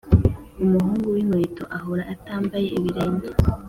umuhungu winkweto ahora atambaye ibirenge